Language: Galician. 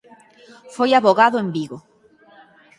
Foi avogado en Vigo.